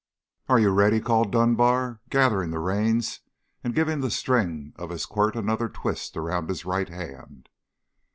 "Are you ready?" called Dunbar, gathering the reins, and giving the string of his quirt another twist around his right hand.